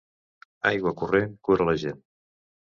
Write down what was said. Aigua corrent cura la gent.